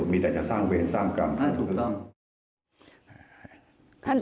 มีแต่การสร้างเวรสร้างกรรม